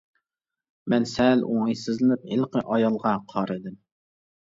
مەن سەل ئوڭايسىزلىنىپ، ھېلىقى ئايالغا قارىدىم.